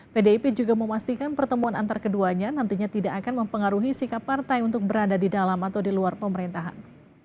pdip juga memastikan pertemuan antar keduanya nantinya tidak akan mempengaruhi sikap partai untuk berada di dalam atau di luar pemerintahan